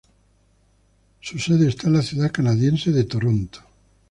Su sede está en la ciudad canadiense de Toronto.